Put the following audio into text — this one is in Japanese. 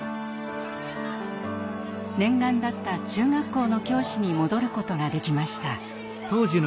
念願だった中学校の教師に戻ることができました。